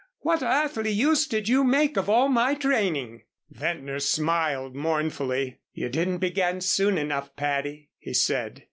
What earthly use did you make of all of my training?" Ventnor smiled mournfully. "You didn't begin soon enough, Patty," he said.